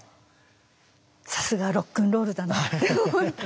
さすがロックンロールだなって思ったり。